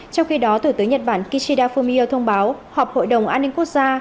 trong khi đó thủ tướng nhật bản kishida fumio thông báo họp hội đồng an ninh quốc gia